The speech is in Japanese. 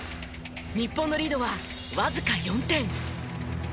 日本のリードはわずか４点。